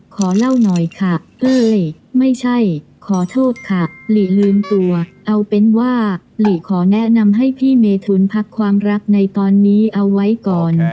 ขอเล่าหน่อยค่ะเอ้ยไม่ใช่ขอโทษค่ะหลีลืมตัวเอาเป็นว่าหลีขอแนะนำให้พี่เมทุนพักความรักในตอนนี้เอาไว้ก่อน